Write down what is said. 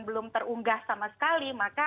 belum terunggah sama sekali maka